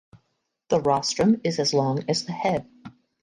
The rostrum is as long as the head.